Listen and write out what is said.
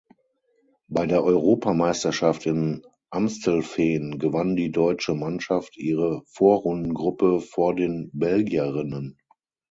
Bei der Europameisterschaft in Amstelveen gewann die deutsche Mannschaft ihre Vorrundengruppe vor den Belgierinnen.